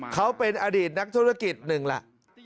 เขาเป็นอดีตนักธุรกิจหนึ่งแหละ